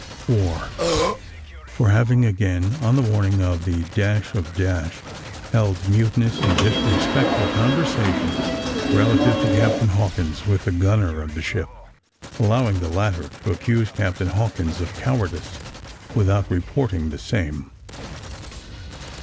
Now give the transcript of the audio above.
4. For having again, on the morning of the of , held mutinous and disrespectful conversation relative to Captain Hawkins with the gunner of the ship, allowing the latter to accuse Captain Hawkins of cowardice, without reporting the same.